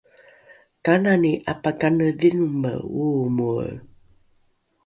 kanani ’apakanedhinome oomoe?